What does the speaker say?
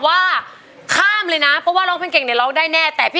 ตัวช่วยละครับเหลือใช้ได้อีกสองแผ่นป้ายในเพลงนี้จะหยุดทำไมสู้อยู่แล้วนะครับ